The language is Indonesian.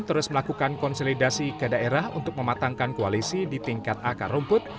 terus melakukan konsolidasi ke daerah untuk mematangkan koalisi di tingkat akar rumput